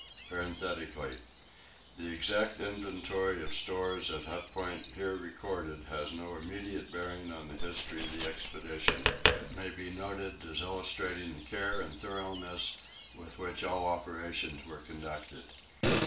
[The exact inventory of stores at Hut Point here recorded has no immediate bearing on the history of the expedition, but may be noted as illustrating the care and thoroughness with which all operations were conducted.